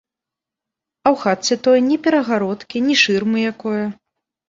А ў хатцы той ні перагародкі, ні шырмы якое.